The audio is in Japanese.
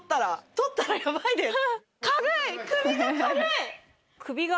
取ったらヤバいです。